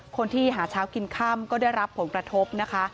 คนที่หาเช้ากินค่ำก็ได้รับผลกระทบนะคะ